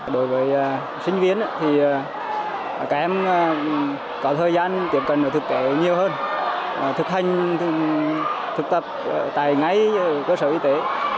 đối với sinh viên thì các em có thời gian tiếp cận với thực tế nhiều hơn thực hành thực tập tại ngay cơ sở y tế